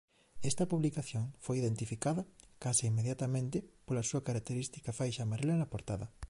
Esta publicación foi identificada case inmediatamente pola súa característica faixa amarela na portada.